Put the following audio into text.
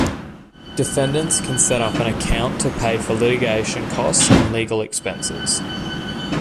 Defendants can set up an account to pay for litigation costs and legal expenses.